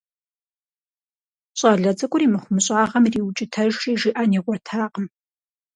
ЩӀалэ цӀыкӀур и мыхъумыщӀагъэм ириукӀытэжри, жиӀэн игъуэтакъым.